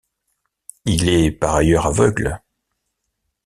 Il est par ailleurs aveugle.